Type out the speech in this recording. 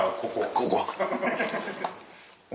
ここ。